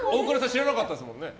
知らなかったですもんね。